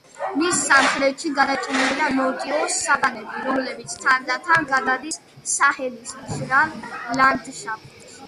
მის სამხრეთში გადაჭიმულია ნოტიო სავანები, რომელიც თანდათან გადადის საჰელის მშრალ ლანდშაფტში.